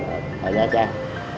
mặc tiền ở nha trang